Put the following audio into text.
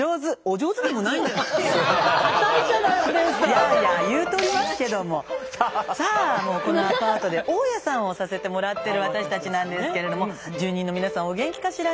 やあやあ言うとりますけどもさあもうこのアパートで大家さんをさせてもらってる私たちなんですけれども住人の皆さんお元気かしらねえ。